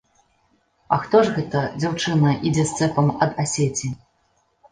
А хто ж гэта, дзяўчына, ідзе з цэпам ад асеці?